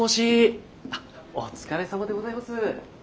あお疲れさまでございます。